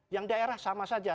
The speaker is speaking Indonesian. yang daerah sama saja